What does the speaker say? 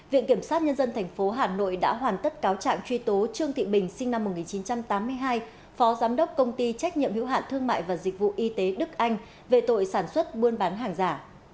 viện kiểm sát nhân dân tp hà nội đã hoàn tất cáo trạng truy tố trương thị bình sinh năm một nghìn chín trăm tám mươi hai phó giám đốc công ty trách nhiệm hữu hạn thương mại và dịch vụ y tế đức anh về tội sản xuất buôn bán hàng giả